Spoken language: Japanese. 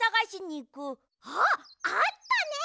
ああったね！